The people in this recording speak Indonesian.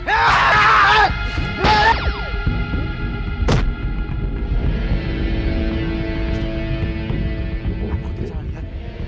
tidak mau tersalah ya